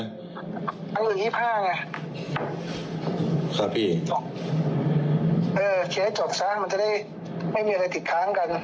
ค้างอยู่ยี่สิบห้างอ่ะครับพี่เออเคลียร์ให้จบซะมันจะได้ไม่มีอะไรติดค้างกัน